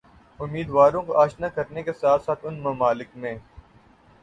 امیدواروں کو آشنا کرنے کے ساتھ ساتھ ان ممالک میں